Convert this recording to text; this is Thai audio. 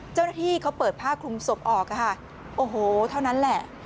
เจ้าหน้าที่เขาเปิดผ้าคลุมศพออกค่ะโอ้โหเท่านั้นแหละ